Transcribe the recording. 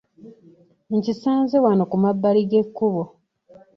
Nkisanze wano ku mabbali g'ekkubo!